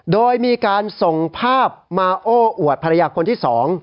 โดยมีการส่งภาพมาโอ้อวดภรรยาคนที่๒